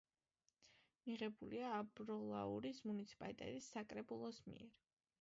მიღებულია ამბროლაურის მუნიციპალიტეტის საკრებულოს მიერ.